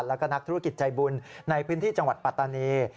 แล้วก็นักธุรกิจใจบุญในพื้นที่จังหวัดปัตตานี